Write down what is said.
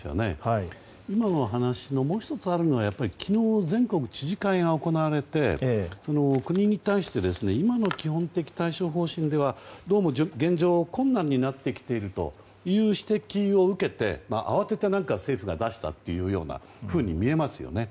今の話のもう１つあるのは昨日、全国知事会が行われて国に対して今の基本的対処方針ではどうも現状、困難になってきているという指摘を受けて慌てて政府が出したというように見えますよね。